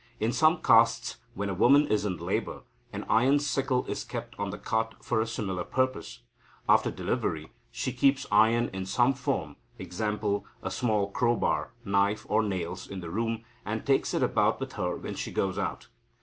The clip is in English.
In some castes, when a woman is in labour, an iron sickle is kept on the cot for a similar purpose. After delivery, she keeps iron in some form, e.g., a small crowbar, knife, or nails, in the room, and takes it about with her when she goes out.